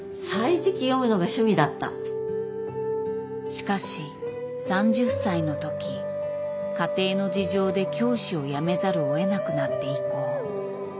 しかし３０歳のとき家庭の事情で教師を辞めざるをえなくなって以降。